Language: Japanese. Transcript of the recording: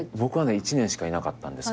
１年しかいなかったんですけど。